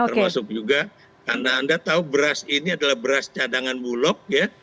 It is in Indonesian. termasuk juga anda tahu beras ini adalah beras cadangan bulog ya